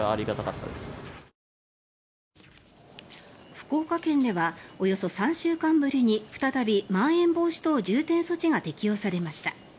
福岡県ではおよそ３週間ぶりに再びまん延防止等重点措置が適用されました。